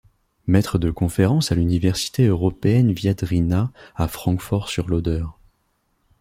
Maître de conférences à l'université européenne Viadrina à Francfort-sur-l'Oder.